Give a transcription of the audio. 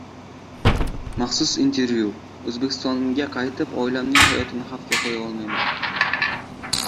Maxsus intervyu: “O‘zbekistonga qaytib, oilamning hayotini xavfga qo‘ya olmayman”